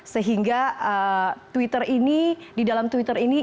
sehingga twitter ini di dalam twitter ini